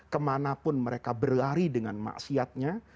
kemanapun mereka berlari dengan maksiatnya